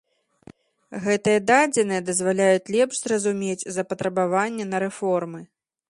Гэтыя дадзеныя дазваляюць лепш зразумець запатрабаванне на рэформы.